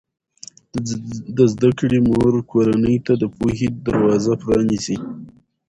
د زده کړې مور کورنۍ ته د پوهې دروازه پرانیزي.